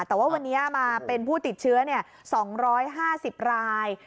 แต่ว่าวันนี้มาเป็นผู้ติดเชื้อ๒๕๐ราย